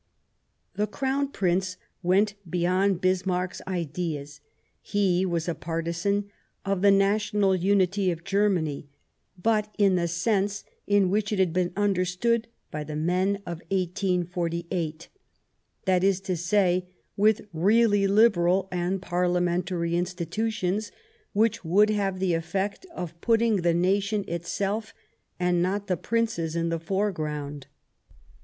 The Crown Prince went beyond Bismarck's ideas ; he was a partisan of the national unity of Ger many, but in the sense in which it had been under stood by the men of 1848 ; that is to say, with really liberal and parliamentary institutions, which would have the effect of putting the nation itself, and not the princes, in the foreground.